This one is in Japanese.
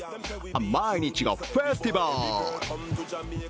毎日がフェスティバル！